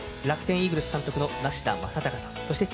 楽天イーグルス監督の梨田昌孝さん